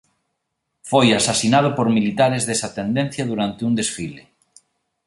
Foi asasinado por militares desa tendencia durante un desfile.